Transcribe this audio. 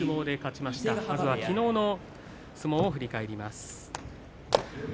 まずは、きのうの相撲を振り返ります。